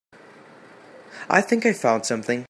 I think I found something.